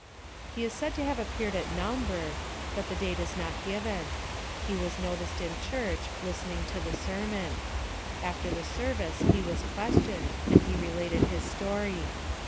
He is said to have appeared in Naumburg, but the date is not given; he was noticed in church, listening to the sermon. After the service he was questioned, and he related his story.